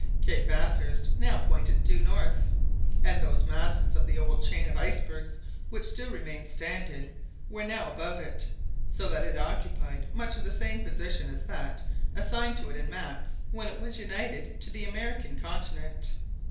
Cape Bathurst now pointed due north, and those masses of the old chain of icebergs which still remained standing were now above it, so that it occupied much the same position as that assigned to it in maps when it was united to the American continent.